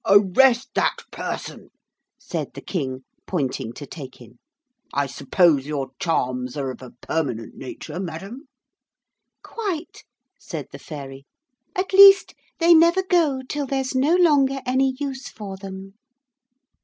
'Arrest that person,' said the King, pointing to Taykin. 'I suppose your charms are of a permanent nature, madam.' 'Quite,' said the Fairy, 'at least they never go till there's no longer any use for them.'